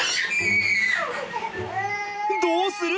どうする？